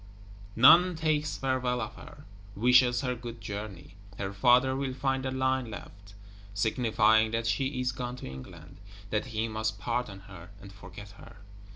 None takes farewell of her, wishes her Good journey: her Father will find a line left, signifying that she is gone to England, that he must pardon her, and forget her.